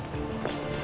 ちょっと。